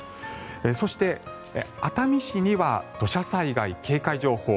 そして、熱海市には土砂災害警戒情報